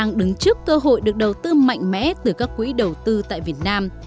chính phủ cũng tạo điều kiện tối đa để tạo được cơ hội đầu tư mạnh mẽ từ các quỹ đầu tư tại việt nam